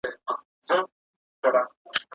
زه له سهاره اوبه پاکوم